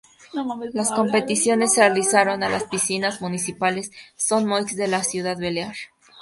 Las competiciones se realizaron en las Piscinas Municipales Son Moix de la ciudad balear.